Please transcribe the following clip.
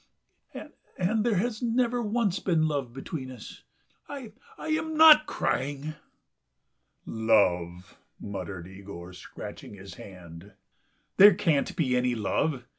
and... there has never once been love between us!... I... I am not crying." "Love..." muttered Yegor, scratching his hand. "There can't be any love.